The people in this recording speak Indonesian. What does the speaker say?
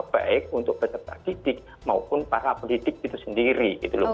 baik untuk peserta didik maupun para pendidik itu sendiri